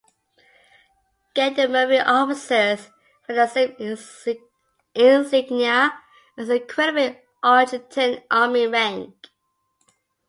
Gendarmerie officers wear the same insignia as the equivalent Argentine Army rank.